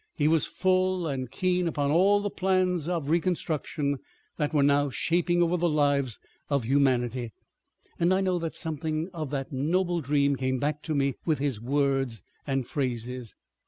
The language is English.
He was full and keen upon all the plans of reconstruction that were now shaping over the lives of humanity, and I know that something of that noble dream came back to me with his words and phrases.